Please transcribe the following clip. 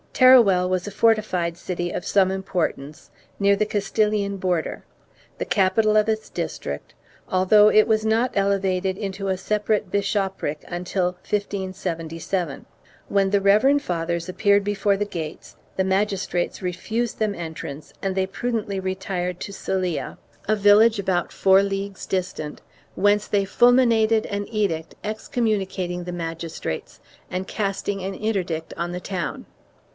Teruel was a fortified city of some importance, near the Castilian border, the capital of its district, although it was not elevated into a separate bishopric until 1577. When the reverend fathers appeared before the gates, the magistrates refused them entrance and they pru dently retired to Cella, a village about four leagues distant, whence they fulminated an edict excommunicating the magis trates and casting an interdict on the town.